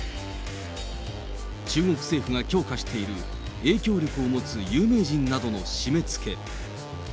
中国政府が強化している、影響力を持つ有名人などの締めつけ。